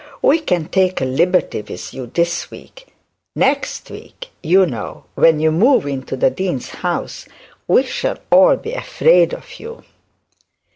We can take a liberty with you this week. Next week, you know, when you move into the dean's house, we shall all be afraid of you.'